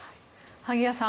萩谷さん